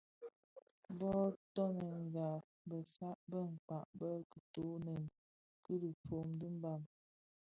Bō toňdènga besan be kpag bë kitoňèn ki Fumbot dhi Mbam.